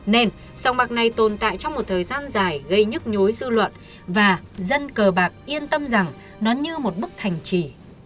nên sông bạc này tồn tại trong một thời gian dài gây nhức nhối dư luận và dân cờ bạc yên tâm rằng nó như một bức thành chỉ